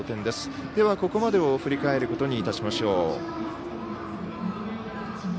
ではここまでを振り返ることにいたしましょう。